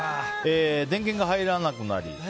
電源が入らなくなり